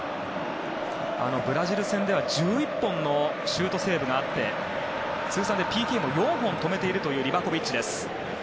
ブラジル戦では１１本のシュートセーブがあって通算でＰＫも４本止めているというリバコビッチです。